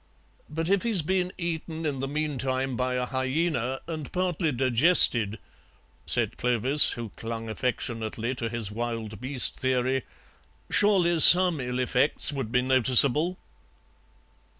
"But if he's been eaten in the meantime by a hyaena and partly digested," said Clovis, who clung affectionately to his wild beast theory, "surely some ill effects would be noticeable?"